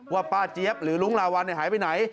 ป้าเจี๊ยบหรือลุงลาวัลหายไปไหน